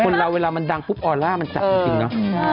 เราเวลามันดังปุ๊บออร่ามันจัดจริงเนาะ